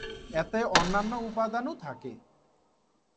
এতে অন্যান্য উপাদানও থাকে।